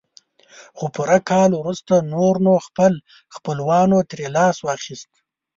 خو پوره کال وروسته نور نو خپل خپلوانو ترې لاس واخيست.